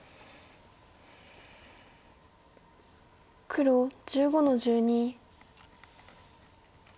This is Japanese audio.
黒１５の十二。